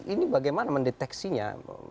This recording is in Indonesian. ini bagaimana mendeteksinya